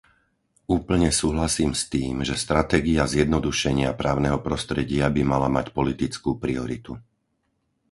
Úplne súhlasím s tým, že stratégia zjednodušenia právneho prostredia by mala mať politickú prioritu.